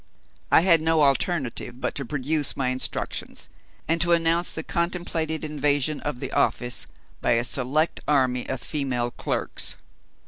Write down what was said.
I had no alternative but to produce my instructions, and to announce the contemplated invasion of the office by a select army of female clerks.